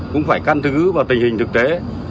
cũng phải căn cứ vào tình hình thực tế